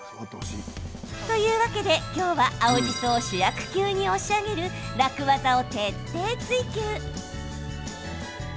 というわけで、きょうは青じそを主役級に押し上げる楽ワザを徹底ツイ